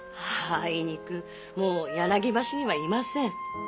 あいにくもう柳橋にはいません。